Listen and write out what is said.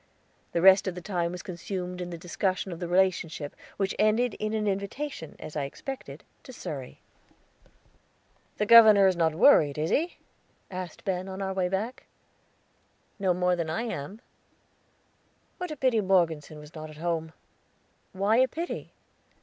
The rest of the time was consumed in the discussion of the relationship, which ended in an invitation, as I expected, to Surrey. "The governor is not worried, is he?" asked Ben, on our way back. "No more than I am." "What a pity Morgeson was not at home!" "Why a pity?"